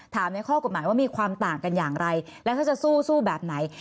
ในข้อกฎหมายว่ามีความต่างกันอย่างไรแล้วถ้าจะสู้แบบไหน